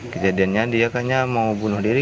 kejadiannya dia kayaknya mau bunuh diri